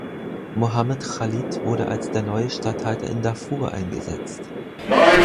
Mohammed Khalid wurde als der neue Statthalter in Darfur eingesetzt.